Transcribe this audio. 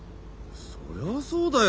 そりゃそうだよ。